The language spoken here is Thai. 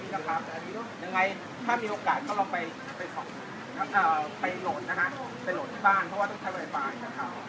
จะมีศัตรียะลักษณ์ของเขาว่าอินเขาอยู่